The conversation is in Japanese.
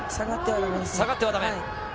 下がってはだめですね。